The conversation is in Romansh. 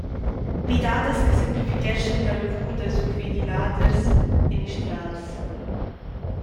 Midadas che simplificheschan la lavur da survigiladers e mistrals.